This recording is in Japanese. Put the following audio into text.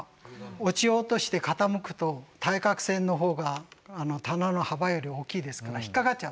落ちようとして傾くと対角線の方が棚の幅より大きいですから引っ掛かっちゃう。